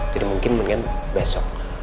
jadi mungkin mendingan besok